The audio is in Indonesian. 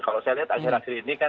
kalau saya lihat akhir akhir ini kan